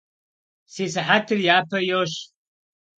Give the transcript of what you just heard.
Si sıhetır yape yoş.